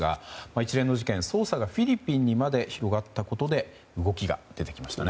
一連の事件、捜査がフィリピンにまで広がったことで動きが出てきましたね。